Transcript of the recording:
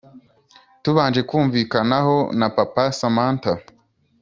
tubanje kumvikanaho na papa samantha